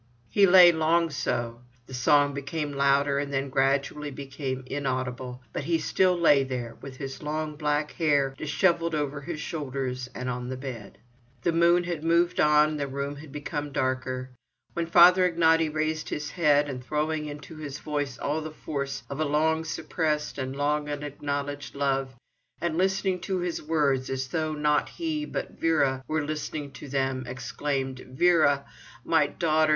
He lay long so. The song became louder, and then gradually became inaudible; but he still lay there, with his long black hair dishevelled over his shoulders and on the bed. The moon had moved on, and the room had become darker, when Father Ignaty raised his head, and throwing into his voice all the force of a long suppressed and long unacknowledged love, and listening to his words, as though not he, but Vera, were listening to them, exclaimed: "Vera, my daughter!